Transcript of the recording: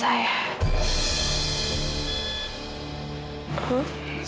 sebetulnya memang iya amira